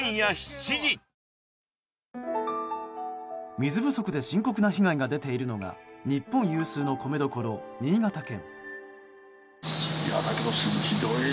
水不足で深刻な被害が出ているのが日本有数の米どころ新潟県。